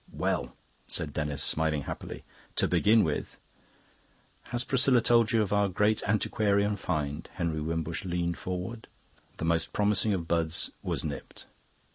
"Well," said Denis, smiling happily, "to begin with..." "Has Priscilla told you of our great antiquarian find?" Henry Wimbush leaned forward; the most promising of buds was nipped.